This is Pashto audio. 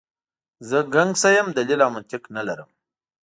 زه ګنګسه یم، دلیل او منطق نه لرم.